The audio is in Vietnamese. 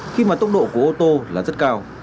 khi mà tốc độ của ô tô là rất cao